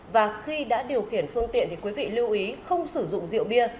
và khi đã điều khiển phương tiện thì quý vị lưu ý không sử dụng rượu bia